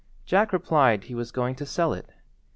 Jack replied he was going to sell it.